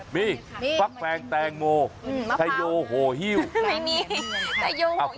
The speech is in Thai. มีฟักแฟงแตงโมไทโยโหฮิวมันต้องมีเยอะกว่านั้น